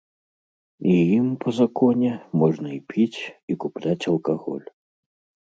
І ім, па законе, можна і піць, і купляць алкаголь.